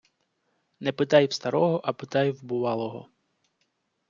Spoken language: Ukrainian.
Не питай в старого, а питай в бувалого.